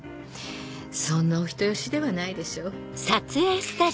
そんなお人よしではないでしょう。